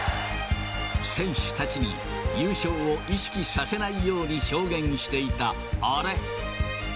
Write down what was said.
選手たちに優勝を意識させないように表現していた、アレ。